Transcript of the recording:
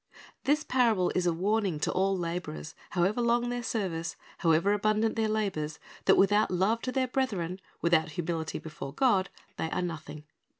This parable is a warning to all laborers, however long their service, however abundant their labors, that without love to their brethren, without humility before God, they are nothing.